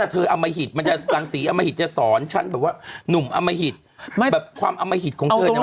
นี่ตอบไม่คิดเลยดีกว่าคำนี้ทำไมยากนั้น